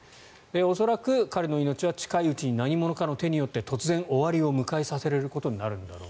恐らく彼の命は近いうちに何者かの手によって突然終わりを迎えさせられることになるんだろう